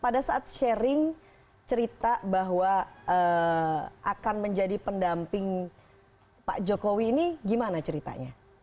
pada saat sharing cerita bahwa akan menjadi pendamping pak jokowi ini gimana ceritanya